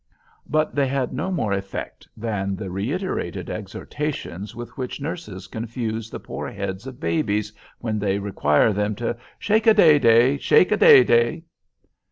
But they had no more effect than the reiterated exhortations with which nurses confuse the poor heads of babies, when they require them to "shake a day day—shake a day day!"